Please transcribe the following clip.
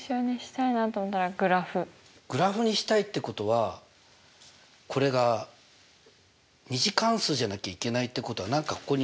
グラフにしたいってことはこれが２次関数じゃなきゃいけないってことは何かここに。＝？